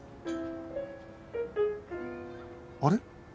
あれ？